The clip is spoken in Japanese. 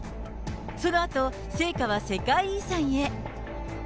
そのあと、聖火は世界遺産へ。